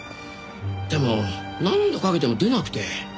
でも何度かけても出なくて。